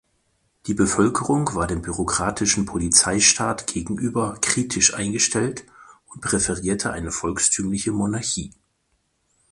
Die Bevölkerung war dem bürokratischen Polizeistaat gegenüber kritisch eingestellt und präferierte eine volkstümliche Monarchie.